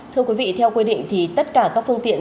thưa quý vị theo quy định thì tất cả các phương tiện